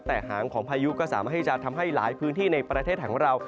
แต่หางของพายุก็สามารถที่จะทำให้หลายพื้นที่ในประเทศของเรา